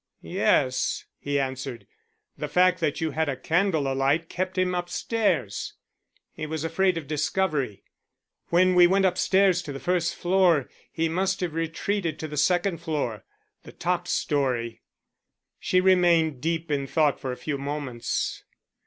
"Yes," he answered. "The fact that you had a candle alight kept him upstairs. He was afraid of discovery. When we went upstairs to the first floor he must have retreated to the second floor the top story." She remained deep in thought for a few moments.